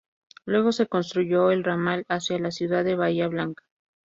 Luego se construyó el ramal hacia la ciudad de Bahía Blanca.